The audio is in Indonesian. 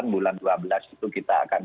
bulan dua belas itu kita akan